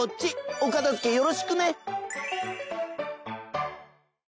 お片付けよろしくね！